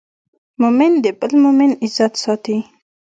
مؤمن د بل مؤمن عزت ساتي.